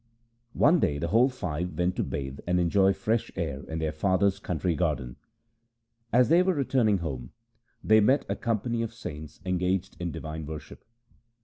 One day the whole five went to bathe and enjoy the fresh air in their father's country garden. As they were returning home, they met a company of saints engaged in divine worship.